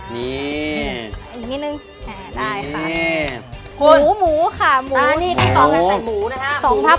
นี่อีกนิดนึงนี่ฮะหูค่ะตอนตำนานใส่หูนะครับ